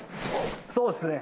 そうですね。